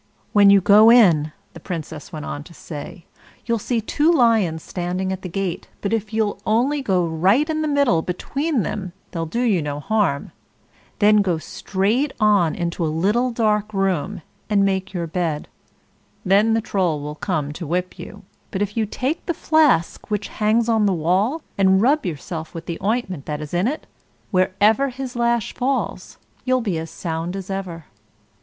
"When you go in," the Princess went on to say, "you'll see two lions standing at the gate; but if you'll only go right in the middle between them they'll do you no harm. Then go straight on into a little dark room, and make your bed. Then the Troll will come to whip you; but if you take the flask which hangs on the wall, and rub yourself with the ointment that's in it, wherever his lash falls, you'll be as sound as ever.